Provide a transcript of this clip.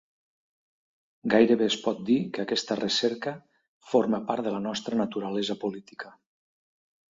Gairebé es pot dir que aquesta recerca forma part de la nostra naturalesa política.